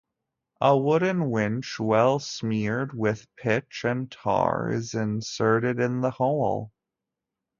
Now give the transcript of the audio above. A wooden winch, well smeared with pitch and tar, is inserted in the hole.